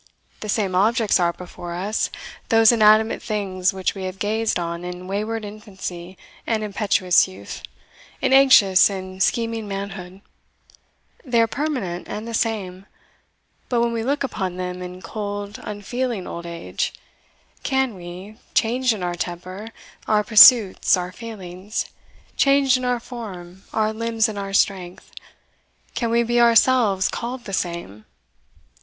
The same objects are before us those inanimate things which we have gazed on in wayward infancy and impetuous youth, in anxious and scheming manhood they are permanent and the same; but when we look upon them in cold unfeeling old age, can we, changed in our temper, our pursuits, our feelings changed in our form, our limbs, and our strength, can we be ourselves called the same?